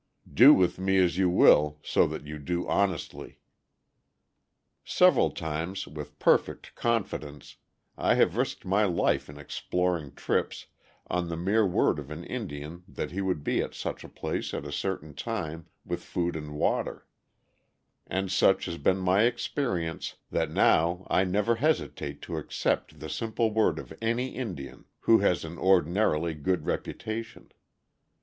Do with me as you will, so that you do honestly." [Illustration: THE AUTHOR HAVING A POW WOW WITH THE YUMA INDIANS.] Several times, with perfect confidence, I have risked my life in exploring trips, on the mere word of an Indian that he would be at such a place at a certain time with food and water. And such has been my experience that now I never hesitate to accept the simple word of any Indian who has an ordinarily good reputation.